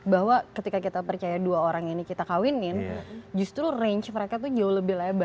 bahwa ketika kita percaya dua orang ini kita kawinin justru range mereka tuh jauh lebih lebar